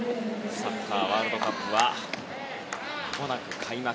サッカーワールドカップはまもなく開幕。